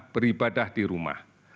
beribadah di rumah